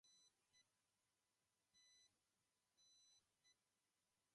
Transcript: La legalidad en los Estados Unidos varía en cada estado.